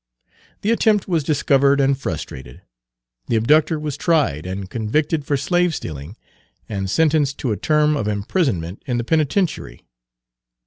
The attempt was discovered and frustrated; the abductor was tried and convicted for slave stealing, and sentenced to a term of imprisonment Page 169 in the penitentiary.